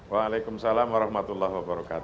waalaikumsalam warahmatullahi wabarakatuh